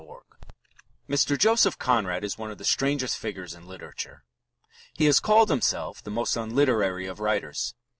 THE MAKING OF AN AUTHOR Mr. Joseph Conrad is one of the strangest figures in literature. He has called himself "the most unliterary of writers."